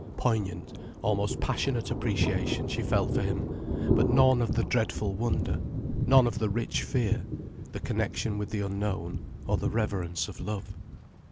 Poignant, almost passionate appreciation she felt for him, but none of the dreadful wonder, none of the rich fear, the connection with the unknown, or the reverence of love.